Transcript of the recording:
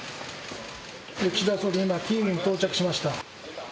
岸田総理、今、キーウに到着しました。